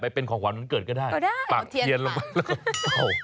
ไปเป็นของขวัญวันเกิดก็ได้ปากเย็นลงไปแล้วก็โอ้โฮก็ได้ต้องเทียนปัญหา